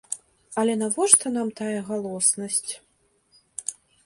Але навошта нам тая галоснасць?